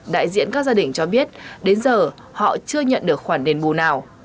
đại diện các gia đình cho biết đến giờ họ chưa nhận được khoản đền bù nào